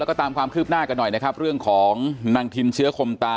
ก็ไม่ได้ตามแล้วคือว่าอันพี่สาวมาเก็บเฮ็ดนั่นนะครับนัดกันว่าเรามาเก็บเฮ็ดนั่นนะครับ